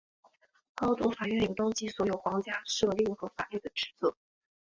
高等法院有登记所有皇家敕令和法律的职责。